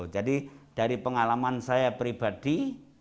jadi dari pengalaman saya pribadi